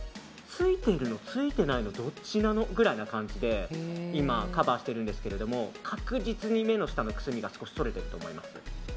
ついているの、ついていないのどっちなのくらいの感じで今、カバーしているんですけど確実に目の下のくすみが取れてると思います。